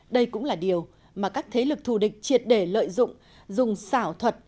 đây cũng là điều mà các thế lực thù địch triệt để lợi dụng dùng xảo thuật